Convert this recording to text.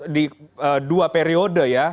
di dua periode ya